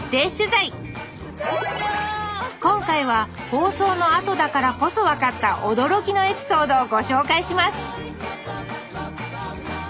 今回は放送のあとだからこそ分かった驚きのエピソードをご紹介します！